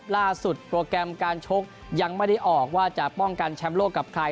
โปรแกรมการชกยังไม่ได้ออกว่าจะป้องกันแชมป์โลกกับใคร